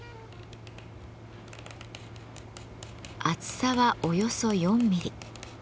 厚さはおよそ４ミリ。